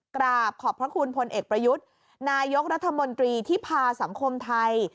กราบขอบพระคุณพลเอกประยุทธ์นายกรัฐมนตรีที่พาสังคมไทย